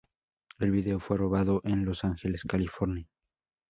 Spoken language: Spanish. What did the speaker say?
El vídeo fue rodado en Los Ángeles, California.